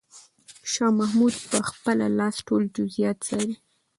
شاه محمود په خپله لاس ټول جزئیات څاري.